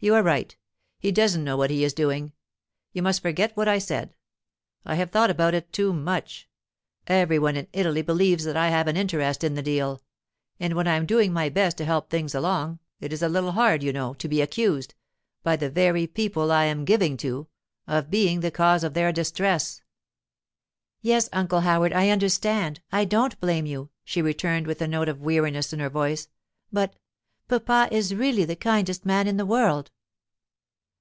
You are right; he doesn't know what he is doing. You must forget what I said. I have thought about it too much. Every one in Italy believes that I have an interest in the deal; and when I am doing my best to help things along, it is a little hard, you know, to be accused—by the very people I am giving to—of being the cause of their distress.' 'Yes, Uncle Howard, I understand; I don't blame you,' she returned, with a note of weariness in her voice; 'but—papa is really the kindest man in the world.